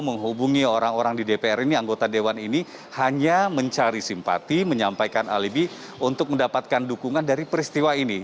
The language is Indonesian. menghubungi orang orang di dpr ini anggota dewan ini hanya mencari simpati menyampaikan alibi untuk mendapatkan dukungan dari peristiwa ini